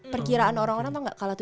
perkiraan orang orang tau gak kalah tujuh